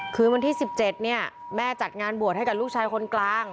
คืนวันที่๑๗เนี่ยแม่จัดงานบวชให้กับลูกชายคนกลาง